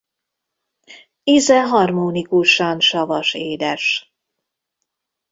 Íze harmonikusan savas-édes.